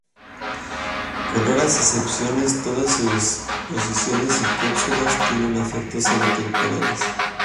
Con raras excepciones, todas sus pociones y cápsulas tienen efectos sólo temporales.